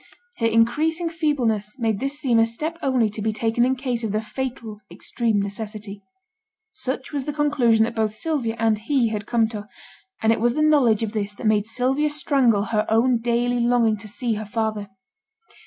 Her increasing feebleness made this seem a step only to be taken in case of the fatal extreme necessity; such was the conclusion that both Sylvia and he had come to; and it was the knowledge of this that made Sylvia strangle her own daily longing to see her father.